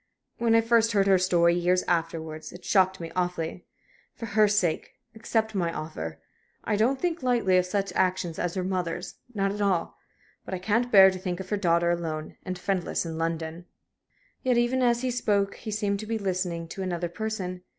When I first heard her story, years afterwards, it shocked me awfully. For her sake, accept my offer. I don't think lightly of such actions as your mother's not at all. But I can't bear to think of her daughter alone and friendless in London." Yet even as he spoke he seemed to be listening to another person.